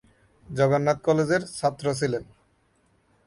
জগন্নাথ কলেজের ছাত্র ছিলেন।